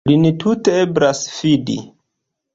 Lin tute eblas fidi.